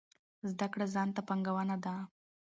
زده کړه ځان ته پانګونه ده